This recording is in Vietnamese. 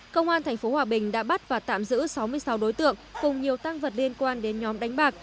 công an tp hòa bình đã bắt và tạm giữ sáu mươi sáu đối tượng cùng nhiều tăng vật liên quan đến nhóm đánh bạc